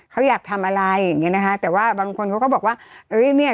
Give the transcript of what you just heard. เขาอยากทำอะไรอย่างเงี้นะคะแต่ว่าบางคนเขาก็บอกว่าเอ้ยเนี้ย